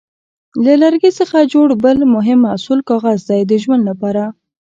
له لرګي څخه جوړ بل مهم محصول کاغذ دی د ژوند لپاره.